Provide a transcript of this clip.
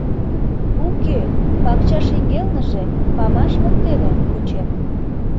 — Уке, пакча шеҥгелныже, памаш воктене кучен.